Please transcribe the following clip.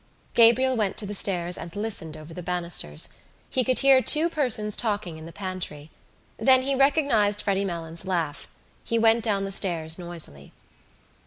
Gabriel went to the stairs and listened over the banisters. He could hear two persons talking in the pantry. Then he recognised Freddy Malins' laugh. He went down the stairs noisily.